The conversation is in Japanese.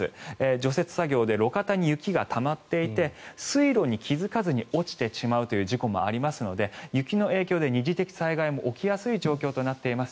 除雪作業で路肩に雪がたまっていて水路に気付かずに落ちてしまうという事故もありますので雪の影響で二次的災害も起きやすい状況となっています。